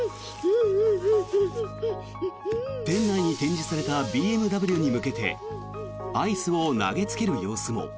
店内に展示されたＢＭＷに向けてアイスを投げつける様子も。